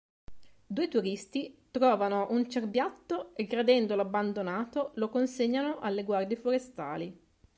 Due turisti trovano un cerbiatto e credendolo abbandonato, lo consegnano alle guardie forestali.